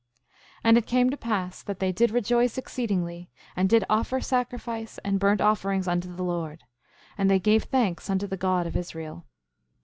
5:9 And it came to pass that they did rejoice exceedingly, and did offer sacrifice and burnt offerings unto the Lord; and they gave thanks unto the God of Israel.